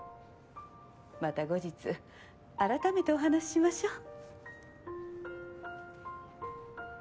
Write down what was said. また後日改めてお話ししましょう。